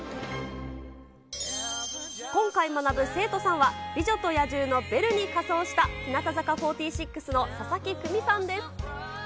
今回、学ぶ生徒さんは美女と野獣のベルに仮装した、日向坂４６の佐々木久美さんです。